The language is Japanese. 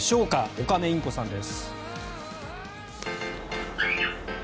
オカメインコさんです。